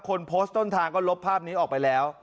คนโพสต์ต้นทางก็ลบภาพนี้ออกไปแล้ว